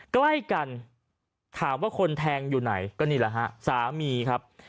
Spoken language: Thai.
ใกล้กันถามว่าคนแทงอยู่ไหนก็นี่แหละฮะสามีครับ